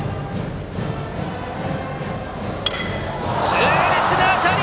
痛烈な当たり！